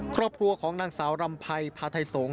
ครอบครัวของนางสาวรำไพรพาไทยสงศ